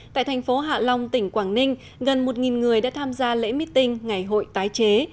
tại thành phố hạ long tỉnh quảng ninh gần một người đã tham gia lễ meeting ngày hội tái chế